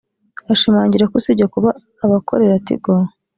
ashimangira ko usibye kuba abakorera Tigo